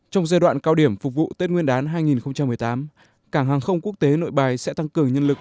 trong giai đoạn cao điểm phục vụ tết nguyên đán hai nghìn một mươi tám cảng hàng không quốc tế nội bài sẽ tăng cường nhân lực